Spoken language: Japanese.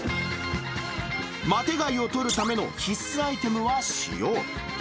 マテ貝を取るための必須アイテムは、塩。